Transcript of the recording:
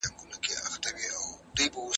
ټاکل سوې دندي باید په خپل وخت سرته ورسیږي.